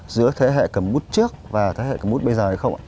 giữa thế hệ cầm bút trước và thế hệ cầm bút bây giờ hay không ạ